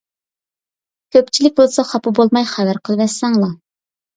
كۆپچىلىك بولسا خاپا بولماي خەۋەر قىلىۋەتسەڭلا.